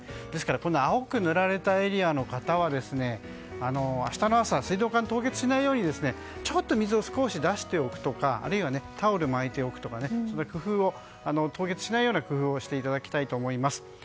ですから青く塗られたエリアの方は明日の朝水道管が凍結しないようにちょっと水を少し出しておくとかあるいはタオルを巻いておくとか凍結しないような工夫をしていただきたいと思います。